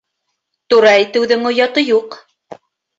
Тура әйтеүҙең ояты юҡ.